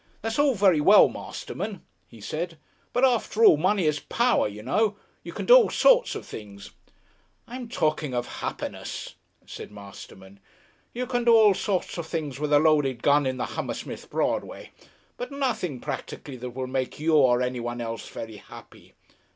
"That's all very well, Masterman," he said, "but, after all, money is Power, you know. You can do all sorts of things " "I'm talking of happiness," said Masterman. "You can do all sorts of things with a loaded gun in the Hammersmith Broadway, but nothing practically that will make you or any one else very happy.